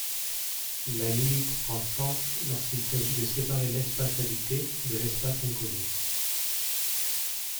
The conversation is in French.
La limite prend sens lorsqu’il s’agit de séparer l’espace habité de l’espace inconnu.